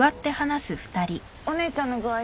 お姉ちゃんの具合